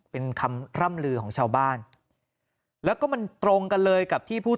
เป็นคำร่ำลือของชาวบ้านแล้วก็มันตรงกันเลยกับที่ผู้